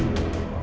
aku harus kesehatan